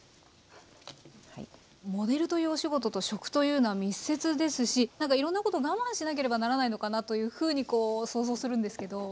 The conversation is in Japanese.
モデルというお仕事と食というのは密接ですしなんかいろんなことを我慢しなければならないのかなというふうにこう想像するんですけど。